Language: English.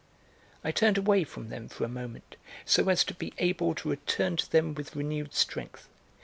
I turned away from them for a moment so as to be able to return to them with renewed strength.